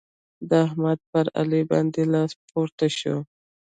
د احمد پر علي باندې لاس پورته شو.